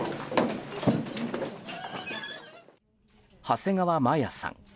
長谷川麻矢さん。